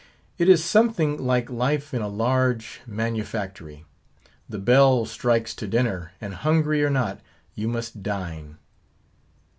It is something like life in a large manufactory. The bell strikes to dinner, and hungry or not, you must dine.